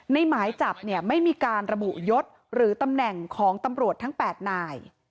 หมายจับเนี่ยไม่มีการระบุยศหรือตำแหน่งของตำรวจทั้ง๘นาย